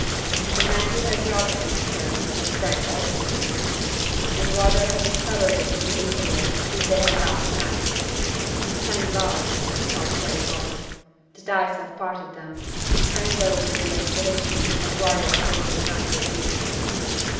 The man who had robbed him of her was Frank Aldersley. And Wardour had discovered it in the interval since they had last met. "Thank God!" thought Crayford, "the dice have parted them! Frank goes with the expedition, and Wardour stays behind with me."